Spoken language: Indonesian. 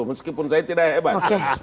meskipun saya tidak hebat